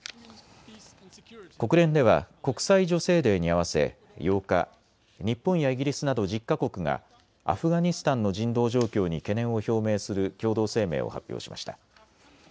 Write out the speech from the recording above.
国連では国際女性デーに合わせ８日、日本やイギリスなど１０か国がアフガニスタンの人道状況に懸念を表明する共同声明を発表しました。